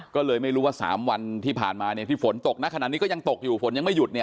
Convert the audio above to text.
ก็เลยไม่รู้ว่า๓วันที่ผ่านมาเนี่ยที่ฝนตกนะขนาดนี้ก็ยังตกอยู่ฝนยังไม่หยุดเนี่ย